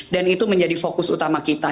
dan itu menjadi fokus utama kita